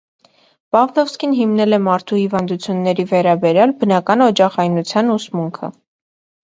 Պավլովսկին հիմնել է մարդու հիվանդությունների վերաբերյալ բնական օջախայնոլթյան ուսմունքը։